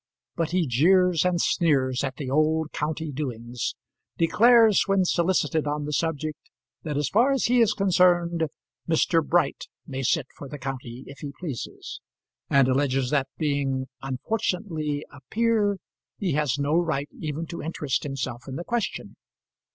But he jeers and sneers at the old county doings; declares, when solicited on the subject, that, as far as he is concerned, Mr. Bright may sit for the county, if he pleases; and alleges, that being unfortunately a peer, he has no right even to interest himself in the question.